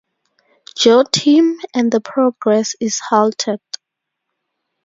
Joe team, and the progress is halted.